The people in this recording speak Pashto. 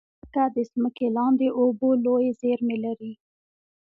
مځکه د ځمکې لاندې اوبو لویې زېرمې لري.